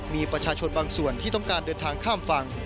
มีประชาชนบางส่วนที่ต้องการเดินทางข้ามฝั่ง